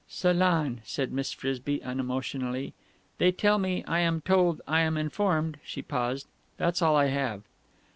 '" "'Salon,'" said Miss Frisby unemotionally. "They tell me, I am told, I am informed....'" She paused. "That's all I have."